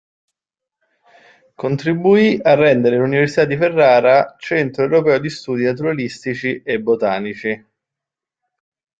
Contribuì a rendere l'Università di Ferrara centro europeo di studi naturalistici e botanici.